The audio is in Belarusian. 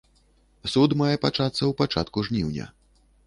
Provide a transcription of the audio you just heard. Суд мае пачацца ў пачатку жніўня.